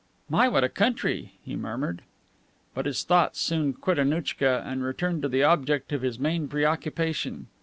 "My, what a country!" he murmured. But his thoughts soon quit Annouchka and returned to the object of his main preoccupation.